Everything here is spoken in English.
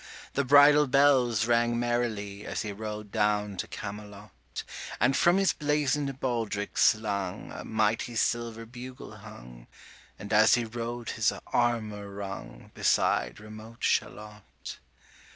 The bridle bells rang merrily 85 As he rode down to Camelot: And from his blazon'd baldric slung A mighty silver bugle hung, And as he rode his armour rung, Beside remote Shalott.